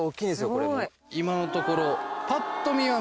これ今のところ。